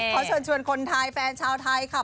ขอเชิญชวนคนไทยแฟนชาวไทยค่ะ